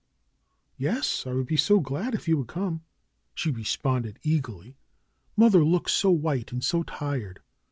^^ Yes ! I would be so glad if you would come ?" she responded eagerly. Mother looks so white and so tired."